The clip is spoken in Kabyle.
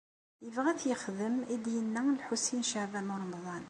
Yebɣa ad t-yexdem i d-yenna Lḥusin n Caɛban u Ṛemḍan.